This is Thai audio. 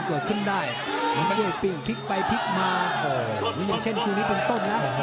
ไปพลิกมาโหอย่างเช่นครูนี้ต้องต้นนะ